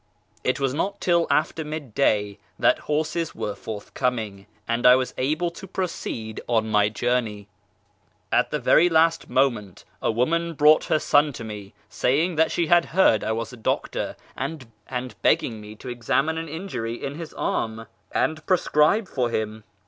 It was not till after mid day that horses were forthcoming and I was able to proceed on my journey. At the very last moment, a woman brought her son to me, saying that she had heard I was a doctor, and begging me to examine an injury in his arm and prescribe for him.